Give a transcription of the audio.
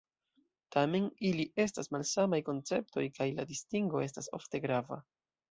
Tamen, ili estas malsamaj konceptoj, kaj la distingo estas ofte grava.